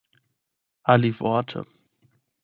alivorte